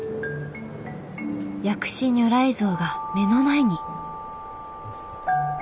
薬師如来像が目の前に。